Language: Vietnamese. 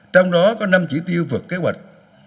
trong đó có năm chỉ tiêu vượt kế hoạch